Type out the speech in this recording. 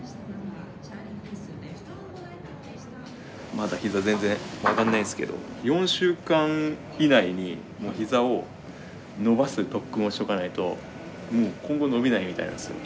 まだひざ全然曲がんないんすけど４週間以内にひざを伸ばす特訓をしとかないともう今後伸びないみたいなんですよ。